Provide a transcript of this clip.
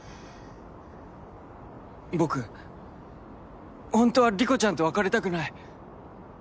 僕ほんとは莉子ちゃんと別れたくない。